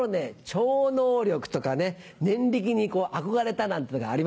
超能力とか念力に憧れたなんてのがありました。